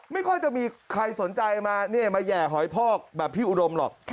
ไม่ค่อยจะมีใครสนใจมามาแห่หอยพอกแบบพี่อุดมหรอก